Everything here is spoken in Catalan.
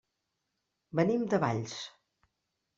Venim de Valls.